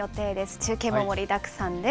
中継も盛りだくさんです。